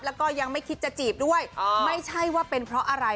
แล้วก็ยังไม่คิดจะจีบด้วยไม่ใช่ว่าเป็นเพราะอะไร